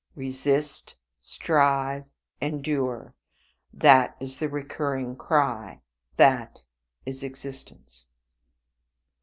Resist, strive, endure, that is the recurring cry; that is existence."